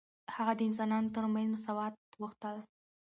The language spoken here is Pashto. هغه د انسانانو ترمنځ مساوات غوښتل.